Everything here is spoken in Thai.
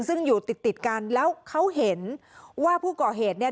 ซึ่งอยู่ติดติดกันแล้วเขาเห็นว่าผู้ก่อเหตุเนี่ย